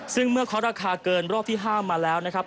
ซึ่งเมื่อเคาะราคาเกินรอบที่๕มาแล้วนะครับ